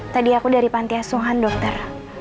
tadi aku dari pantiasuhan dokter